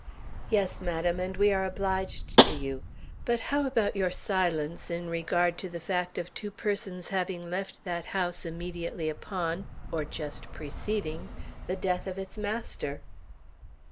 "Yes, madam; and we are obliged to you; but how about your silence in regard to the fact of two persons having left that house immediately upon, or just preceding, the death of its master?"